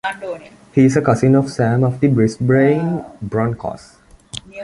He is a cousin of Sam of the Brisbane Broncos.